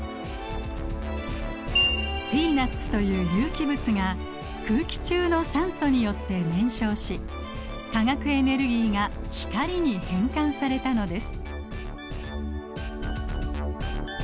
ピーナッツという有機物が空気中の酸素によって燃焼し化学エネルギーが光に変換されたのです。